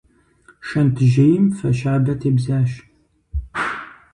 Шэнт жьейм фэ щабэ тебзащ.